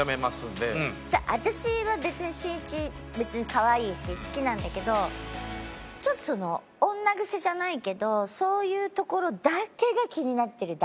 私は別にしんいち可愛いし好きなんだけどちょっとその女癖じゃないけどそういうところだけが気になってるだけで。